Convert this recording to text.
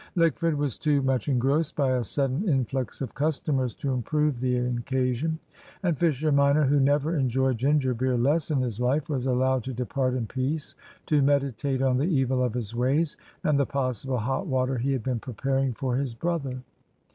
Lickford was too much engrossed by a sudden influx of customers to improve the occasion; and Fisher minor, who never enjoyed ginger beer less in his life, was allowed to depart in peace to meditate on the evil of his ways, and the possible hot water he had been preparing for his brother.